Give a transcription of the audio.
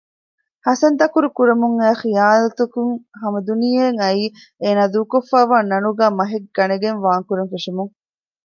ހަސަންތަކުރު ކުރަމުންއައި ޚިޔާލުތަކުން ހަމަދުނިޔެއަށް އައީ އޭނާ ދޫކޮށްފައިވާ ނަނުގައި މަހެއްގަނެގެން ވާންކުރަންފެށުމުން